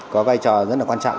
có vai trò rất quan trọng